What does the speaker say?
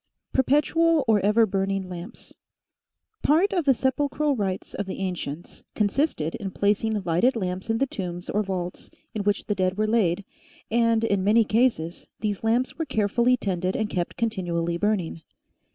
PERPETUAL OR EVER BURNING LAMPS [ART of the sepulchral rites of the ancients con sisted in placing lighted lamps in the tombs or vaults in which the dead were laid, and, in many cases, these lamps were carefully tended and kept continually burning.